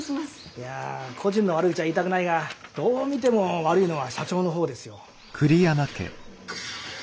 いや故人の悪口は言いたくないがどう見ても悪いのは社長の方ですよ。